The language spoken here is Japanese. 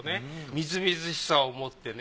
みずみずしさを持ってね